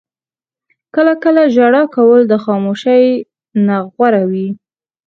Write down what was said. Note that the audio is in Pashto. • کله کله ژړا کول د خاموشۍ نه غوره وي.